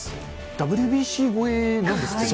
ＷＢＣ超えなんですってね。